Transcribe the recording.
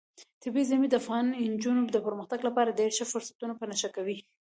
طبیعي زیرمې د افغان نجونو د پرمختګ لپاره ډېر ښه فرصتونه په نښه کوي.